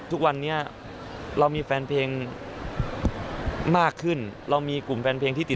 ทุกวันนี้เรามีแฟนเพลง